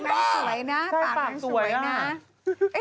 แต่ปากน้องสวยนะแต่ปากน้องสวยนะ